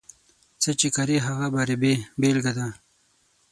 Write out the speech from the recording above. څه چې کرې، هغه به رېبې بېلګه ده.